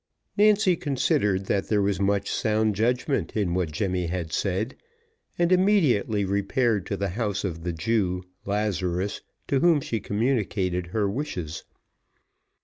Nancy considered that there was much sound judgment in what Jemmy had said, and immediately repaired to the house of the Jew, Lazarus, to whom she communicated her wishes.